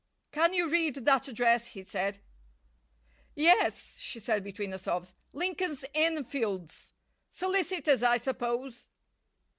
"Can you read that address?" he said. "Yes," she said between her sobs. "Lincoln's Inn Fields. Solicitors, I suppose?"